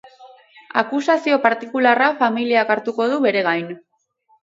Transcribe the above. Akusazio partikularra familiak hartuko du bere gain.